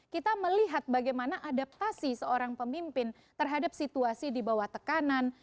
kita melihat bagaimana adaptasi seorang pemimpin terhadap situasi di bawah tekanan